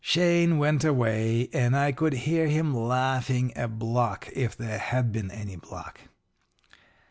"Shane went away, and I could hear him laughing a block, if there had been any block.